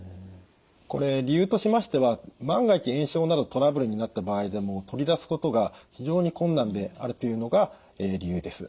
これ理由としましては万が一炎症などトラブルになった場合でも取り出すことが非常に困難であるというのが理由です。